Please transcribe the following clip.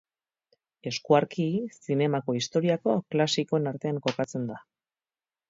Eskuarki, zinemako historiako klasikoen artean kokatzen da.